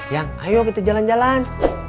yang ayo kita jalan jalan